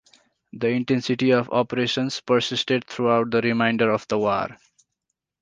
The intensity of operations persisted throughout the remainder of the war.